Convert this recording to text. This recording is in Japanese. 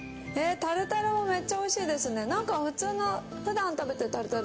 タルタルもめっちゃおいしいですね。